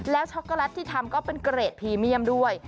แล้วช็อกโกแลตที่ทำก็เป็นเกรดพรีเมียมด้วย